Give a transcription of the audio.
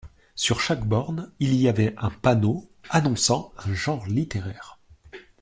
Sur chaque borne, il y avait un panneau annonçant un genre littéraire.